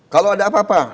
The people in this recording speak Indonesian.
kalau ada apa apa